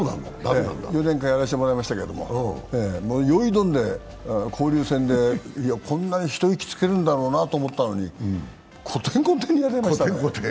４年間やらせてもらいましたけれども、よーいどんで交流戦で、一息つけるんだろうなと思ったけどこてんこてんにやられましたよ。